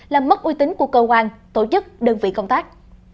làm mất uy tín của cơ quan tổ chức đơn vị công tác